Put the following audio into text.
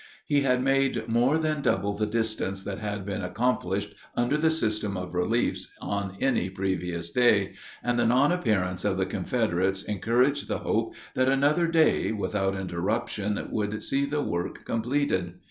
He had made more than double the distance that had been accomplished under the system of reliefs on any previous day, and the non appearance of the Confederates encouraged the hope that another day, without interruption, would see the work completed.